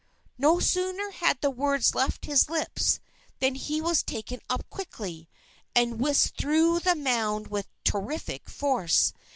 _" No sooner had the words left his lips, than he was taken up quickly, and whisked through the mound with terrific force.